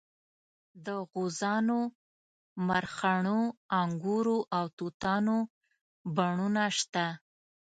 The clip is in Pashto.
د غوزانو مرخڼو انګورو او توتانو بڼونه شته.